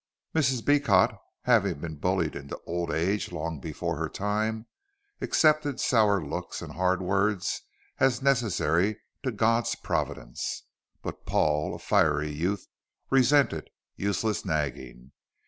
Mrs. Beecot, having been bullied into old age long before her time, accepted sour looks and hard words as necessary to God's providence, but Paul, a fiery youth, resented useless nagging.